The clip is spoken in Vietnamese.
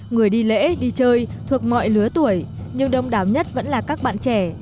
người đi lễ đi chơi thuộc mọi lứa tuổi nhưng đông đáo nhất vẫn là các bạn trẻ